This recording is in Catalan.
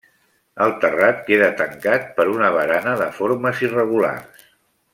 El terrat queda tancat per una barana de formes irregulars.